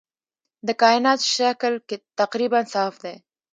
د کائنات شکل تقریباً صاف دی.